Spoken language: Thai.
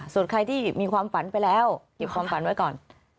ส่วนใครที่มีความฝันไปแล้วเก็บความฝันไว้ก่อน